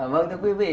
vâng thưa quý vị